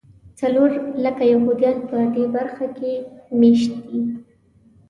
څلور لکه یهودیان په دې برخه کې مېشت دي.